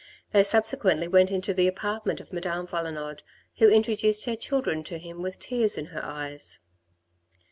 They subsequently went into the apartment of Madame Valenod, who introduced her children to him with tears in her eyes.